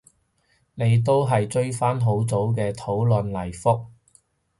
你都追返好早嘅討論嚟覆